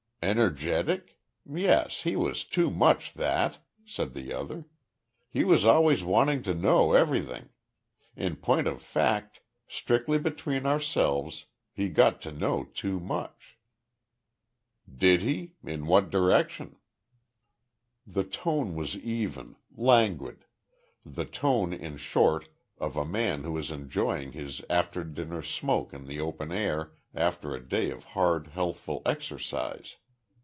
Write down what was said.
"Energetic? Yes. He was too much that," said the other. "He was always wanting to know everything. In point of fact, strictly between ourselves he got to know too much." "Did he? In what direction?" The tone was even, languid; the tone, in short, of a man who is enjoying his after dinner smoke in the open air after a day of hard healthful exercise.